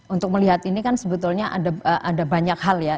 untuk melihat ini kan sebetulnya ada banyak hal ya